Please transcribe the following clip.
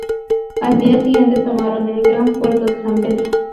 Al día siguiente tomaron el gran puerto de San Pedro.